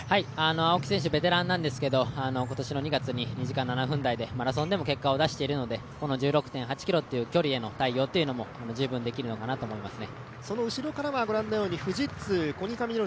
青木選手ベテランですが、今年の２月に２時間７分台でマラソンでも結果を出しているのでこの１６．８ｋｍという距離への対応も十分できるのかなと思いますね。